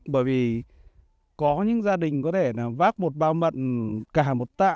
bởi vì có những gia đình có thể là vác một bao mận cả một tạ